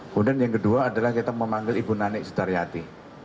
kemudian yang kedua adalah kita memanggil ibu nani sudariati